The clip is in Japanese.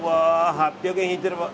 ８００円引いてれば。